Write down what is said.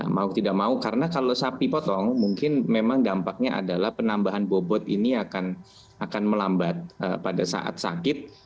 mau tidak mau karena kalau sapi potong mungkin memang dampaknya adalah penambahan bobot ini akan melambat pada saat sakit